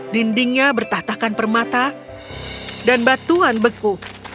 dindingnya bertahtakan permata dan batuan beku